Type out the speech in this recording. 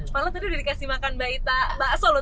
kalau tadi udah dikasih makan mbak ita bakso loh